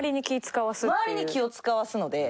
周りに気を使わすので。